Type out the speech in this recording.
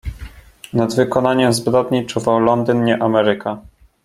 "Nad wykonaniem zbrodni czuwał Londyn, nie Ameryka."